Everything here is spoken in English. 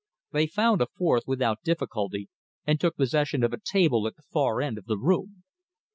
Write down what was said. They found a fourth without difficulty and took possession of a table at the far end of the room.